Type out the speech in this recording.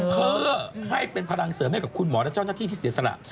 เพื่อให้เป็นพลังเสริมให้กับคุณหมอและเจ้าหน้าที่ที่เสียสละ